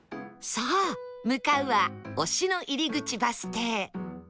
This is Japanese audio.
さあ向かうは忍野入口バス停